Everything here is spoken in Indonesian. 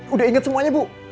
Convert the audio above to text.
udah inget semuanya bu